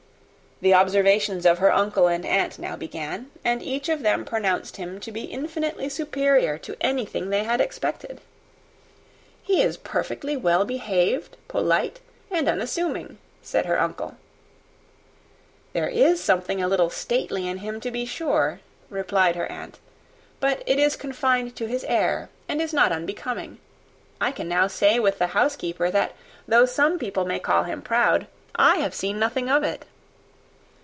The observations of her uncle and aunt now began; and each of them pronounced him to be infinitely superior to anything they had expected. "He is perfectly well behaved, polite, and unassuming," said her uncle. "There is something a little stately in him, to be sure," replied her aunt; "but it is confined to his air, and is not unbecoming. I can now say with the housekeeper, that though some people may call him proud, I have seen nothing of it."